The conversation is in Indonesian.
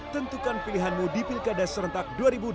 tentukan pilihanmu di pilkada serentak dua ribu delapan belas